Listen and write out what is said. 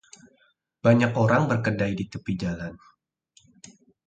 banyak orang berkedai di tepi jalan